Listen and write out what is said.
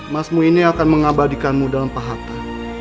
mas mu ini akan mengabadikanmu dalam pahata